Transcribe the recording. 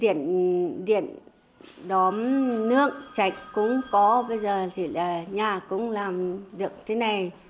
đây là nhà mới an toàn bây giờ thì điện đóm nước chạy cũng có bây giờ thì nhà cũng làm được thế này